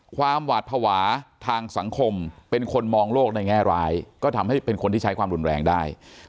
ความหวาดภาวะทางสังคมเป็นคนมองโลกในแง่ร้ายก็ทำให้เป็นคนที่ใช้ความรุนแรงได้